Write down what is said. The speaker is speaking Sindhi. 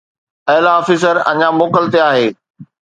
اعليٰ آفيسر اڃا موڪل تي آهي